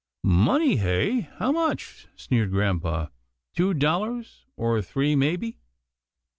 " Money hey — how much? " sneered grampa —" two dollars or three, maybe."